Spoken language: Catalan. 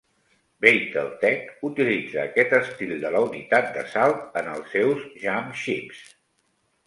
"Battletech" utilitza aquest estil de la unitat de salt en els seus jumpships.